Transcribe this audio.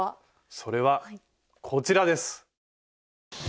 それはこちらです。